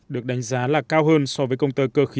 được đánh giá là cao hơn so với công tơ cơ khí